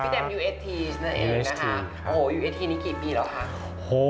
พี่เต็มอุเอสทีนั่นเองนะคะ